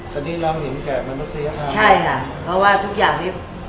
ทีนี้เรามีแกมันรู้สึกอย่างค่ะใช่ค่ะเพราะว่าทุกอย่างนี้